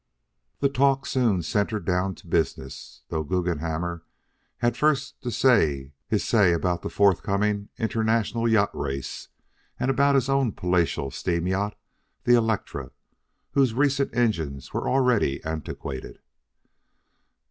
The talk soon centred down to business, though Guggenhammer had first to say his say about the forthcoming international yacht race and about his own palatial steam yacht, the Electra, whose recent engines were already antiquated.